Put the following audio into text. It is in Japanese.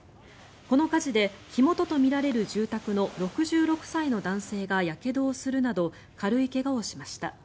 この火事で火元とみられる住宅の６６歳の男性がやけどをするなど軽い怪我をしました。